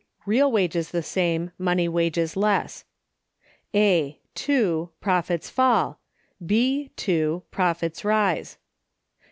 Real wages the same, money wages less. A. (2.) Profits fall. B. (2.) Profits rise.